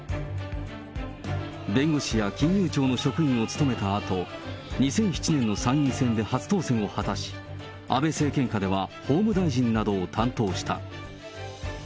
弁護士や金融庁の職員を務めたあと、２００７年の参院選で初当選を果たし、安倍政権下では法務大臣などを担当した。